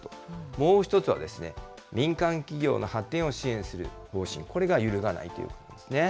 もう１つはですね、民間企業の発展を支援する方針、これが揺るがないということですね。